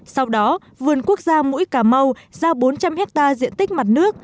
sau đó vườn quốc gia mũi cà mau giao bốn trăm linh hectare diện tích mặt nước